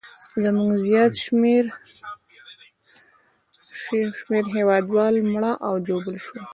زموږ زیات شمېر هیوادوال مړه او ژوبل شول.